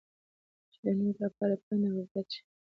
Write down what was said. چې د نورو لپاره پند اوعبرت شي.